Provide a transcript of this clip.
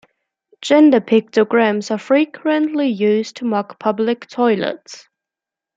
Gender pictograms are frequently used to mark public toilets.